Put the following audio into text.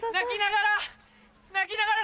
泣きながら。